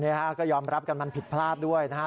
ฮะก็ยอมรับกันมันผิดพลาดด้วยนะฮะ